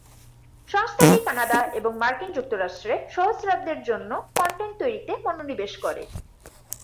সংস্থাটি কানাডা এবং মার্কিন যুক্তরাষ্ট্রে সহস্রাব্দের জন্য কন্টেন্ট তৈরিতে মনোনিবেশ করে।